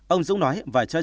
ông dũng nói